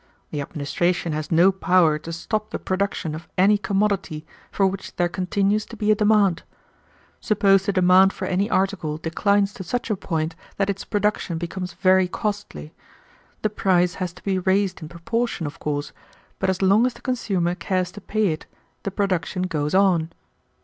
The administration has no power to stop the production of any commodity for which there continues to be a demand. Suppose the demand for any article declines to such a point that its production becomes very costly. The price has to be raised in proportion, of course, but as long as the consumer cares to pay it, the production goes on.